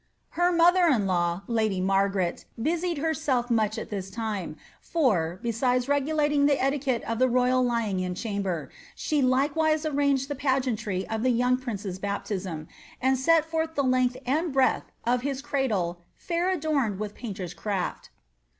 Her mother in law, lady Margaret, i' d herself much at this lime, for, besides regulating the etiquette of ' royal lying in chamber, she likewise arranged the pageantry of the uiig princrV baptism, and set forth the length and breath of his cradla ' latr adorned with painters' crafl."'